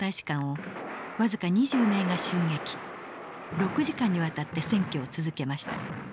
６時間にわたって占拠を続けました。